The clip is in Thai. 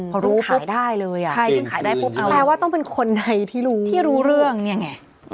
พอรู้ปุ๊บคุณขายได้เลยอ่ะใช่คุณขายได้ปุ๊บเอาแปลว่าต้องเป็นคนในที่รู้เรื่องเนี่ยไง